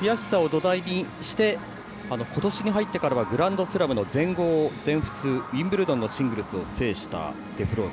悔しさを土台にしてことしに入ってからはグランドスラムの全豪、全仏、ウィンブルドンのシングルスを制したデフロート。